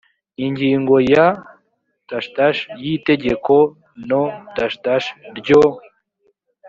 ingingo ya… y’itegeko no…ryo